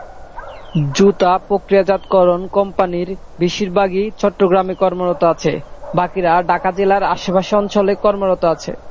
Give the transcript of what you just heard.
জুতা প্রক্রিয়াজাতকরণ কোম্পানির বেশিরভাগই চট্টগ্রামে কর্মরত আছে, বাকিরা ঢাকা জেলার আশেপাশের অঞ্চলে কর্মরত আছেন।